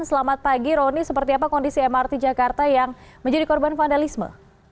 selamat pagi roni seperti apa kondisi mrt jakarta yang menjadi korban vandalisme